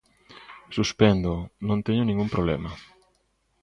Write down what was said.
Suspéndoo, ¡non teño ningún problema!